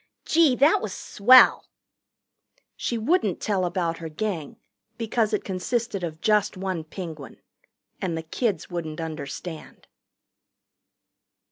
Gee, that was swell!" She wouldn't tell about her Gang, because it consisted of just one Penguin. And the kids wouldn't understand.